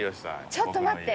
ちょっと待って。